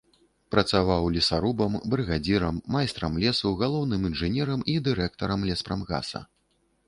Працаваў лесарубам, брыгадзірам, майстрам лесу, галоўным інжынерам і дырэктарам леспрамгаса.